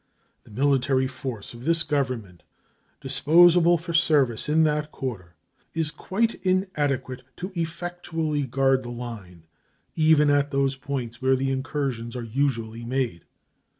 The military force of this Government disposable for service in that quarter is quite inadequate to effectually guard the line, even at those points where the incursions are usually made.